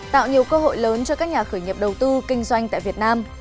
tạo nhiều cơ hội lớn cho các nhà khởi nghiệp đầu tư kinh doanh tại việt nam